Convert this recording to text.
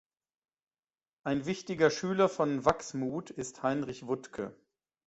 Ein wichtiger Schüler von Wachsmuth ist Heinrich Wuttke.